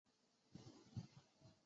殿试登进士第二甲第七十五名。